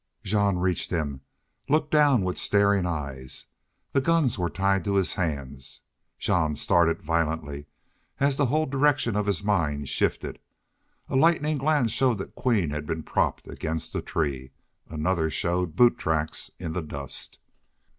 Jean reached him looked down with staring eyes. The guns were tied to his hands. Jean started violently as the whole direction of his mind shifted. A lightning glance showed that Queen had been propped against the tree another showed boot tracks in the dust.